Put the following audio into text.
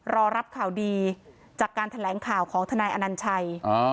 รอรับข่าวดีจากการแถลงข่าวของทนายอนัญชัย